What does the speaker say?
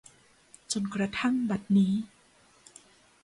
จนกระทั่งบัดนี้